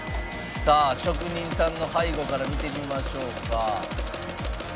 さあ職人さんの背後から見てみましょうか。